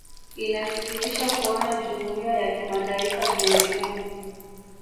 inasikitisha kuona jumuiya ya kimataifa inaendelea